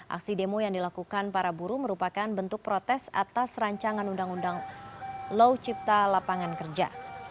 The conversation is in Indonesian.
aksi demo yang dilakukan para buruh merupakan bentuk protes atas rancangan undang undang low cipta lapangan kerja